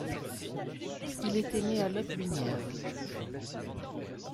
Il était né à Lotbinière.